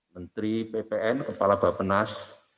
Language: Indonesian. menteri ppn kepala bapak penas